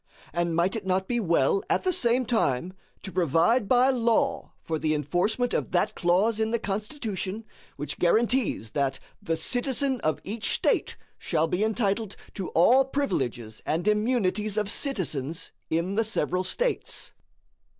And might it not be well at the same time to provide by law for the enforcement of that clause in the Constitution which guarantees that "the citizen of each State shall be entitled to all privileges and immunities of citizens in the several States?"